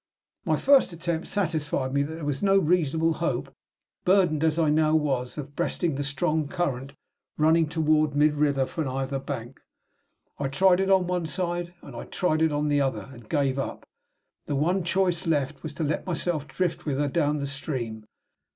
My first attempt satisfied me that there was no reasonable hope, burdened as I now was, of breasting the strong current running toward the mid river from either bank. I tried it on one side, and I tried it on the other, and gave it up. The one choice left was to let myself drift with her down the stream.